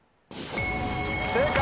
正解！